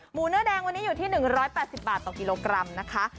เนื้อแดงวันนี้อยู่ที่๑๘๐บาทต่อกิโลกรัมนะคะ